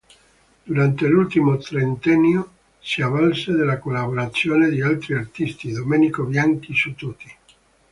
Durante l'ultimo trentennio si avvalse della collaborazione di altri Artisti, Domenico Bianchi su tutti.